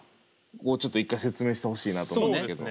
ここをちょっと一回説明してほしいなと思うんですけど。